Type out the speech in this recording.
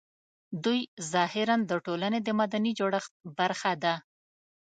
دوی ظاهراً د ټولنې د مدني جوړښت برخه ده